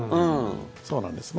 そうなんです。